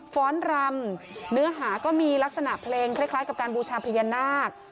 ้อนรำเนื้อหาก็มีลักษณะเพลงคล้ายกับการบูชาพญานาค